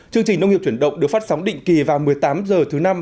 chương trình nông nghiệp chuyển động được phát sóng định kỳ vào một mươi tám h thứ năm